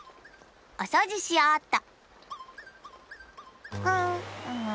おそうじしようっと！